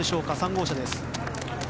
３号車です。